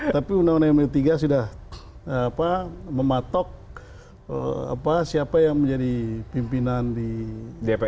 tapi undang undang md tiga sudah mematok siapa yang menjadi pimpinan di dpr